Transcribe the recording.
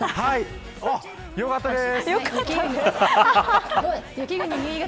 よかったです。